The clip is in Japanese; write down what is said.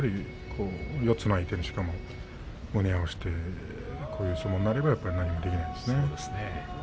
四つの相手、しかも胸を合わせてこういう相撲になれば何もできないですね。